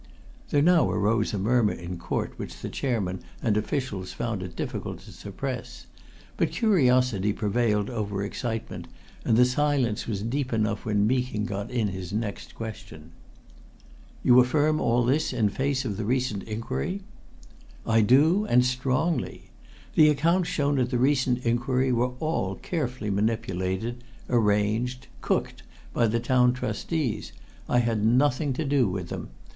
There now arose a murmur in court which the Chairman and officials found it difficult to suppress. But curiosity prevailed over excitement, and the silence was deep enough when Meeking got in his next question. "You affirm all this in face of the recent inquiry?" "I do and strongly! The accounts shown at the recent inquiry were all carefully manipulated, arranged, cooked by the Town Trustees. I had nothing to do with them.